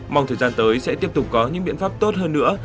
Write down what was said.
mong thời gian tới sẽ tiếp tục có những biện pháp tốt hơn nữa